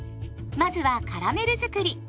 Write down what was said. まずはカラメルづくり。